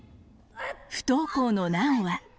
不登校の奈緒は。